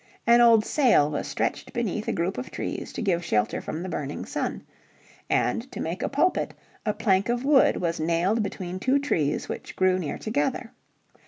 An old sail was stretched beneath a group of trees to give shelter from the burning sun. And to make a pulpit a plank of wood was nailed between two trees which grew near together.